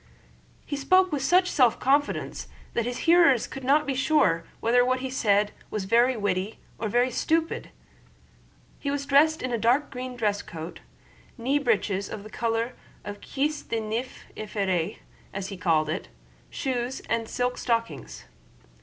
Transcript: He spoke with such self confidence that his hearers could not be sure whether what he said was very witty or very stupid. He was dressed in a dark green dress coat, knee breeches of the color of cuisse de nymphe effrayée, as he called it, shoes, and silk stockings.